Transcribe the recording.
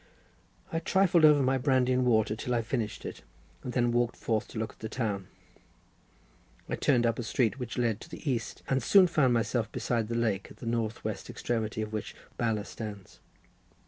I "trifled" over my brandy and water till I finished it, and then walked forth to look at the town. I turned up a street, which led to the east, and soon found myself beside the lake at the north west extremity of which Bala stands.